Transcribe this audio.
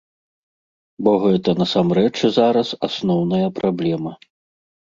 Бо гэта насамрэч зараз асноўная праблема.